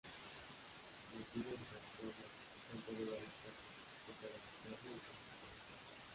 Nacido en Pamplona, canta de barítono y toca la guitarra y percusiones.